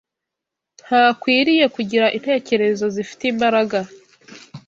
Ntakwiriye kugira intekerezo zifite imbaraga